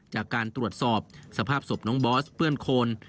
จากการตรวจสอบสภาพศพน้องบอสเปื้อนโคน